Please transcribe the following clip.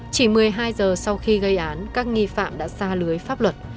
chỉ một mươi hai giờ sau khi gây án các nghi phạm đã xa lưới pháp luật